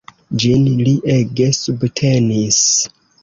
Ĝin li ege subtenis.